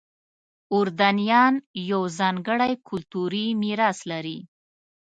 اردنیان یو ځانګړی کلتوري میراث لري.